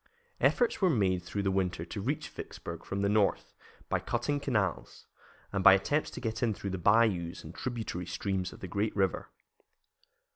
Efforts were made through the winter to reach Vicksburg from the north by cutting canals, and by attempts to get in through the bayous and tributary streams of the great river.